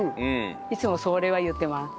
いつもそれは言ってます。